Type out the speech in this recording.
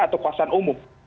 atau kuasaan umum